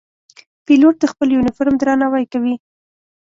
پیلوټ د خپل یونیفورم درناوی کوي.